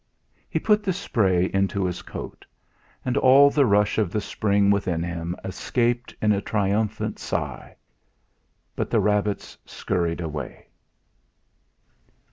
He put the spray into his coat. And all the rush of the spring within him escaped in a triumphant sigh. But the rabbits scurried away.